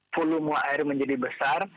volume air menjadi besar